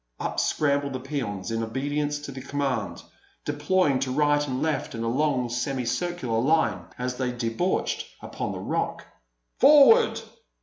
Up scrambled the peons in obedience to the command, deploying to right and left in a long, semicircular line as they debouched upon the Rock. "Forward!"